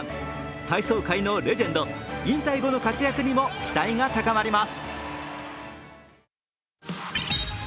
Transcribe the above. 体操界のレジェンド、引退後の活躍にも期待が高まります。